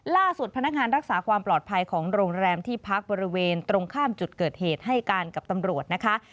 พนักงานรักษาความปลอดภัยของโรงแรมที่พักบริเวณตรงข้ามจุดเกิดเหตุให้การกับตำรวจนะคะ